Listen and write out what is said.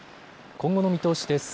今後の見通しです。